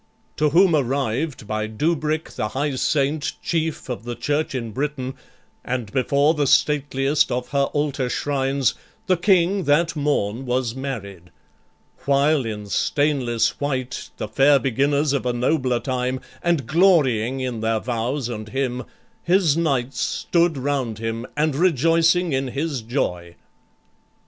To whom arrived, by Dubric the high saint, Chief of the church in Britain, and before The stateliest of her altar shrines, the King That morn was married, while in stainless white, The fair beginners of a nobler time, And glorying in their vows and him, his knights Stood round him, and rejoicing in his joy.